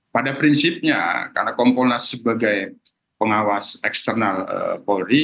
pada prinsipnya karena kompolnas sebagai pengawas eksternal polri